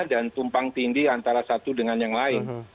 tumpang tindih antara satu dengan yang lain